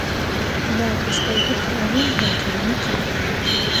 Llamk'asqaykita allintam chaninchay